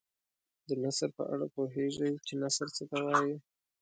د نثر په اړه پوهیږئ چې نثر څه ته وايي.